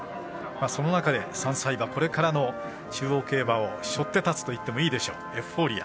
その中で、３歳馬これからの中央競馬をしょって立つといってもいいでしょうエフフォーリア。